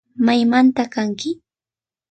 Maymanta kanki